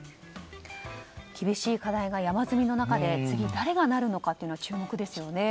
厳しい課題が山積みの中で次、誰がなるのか注目ですよね。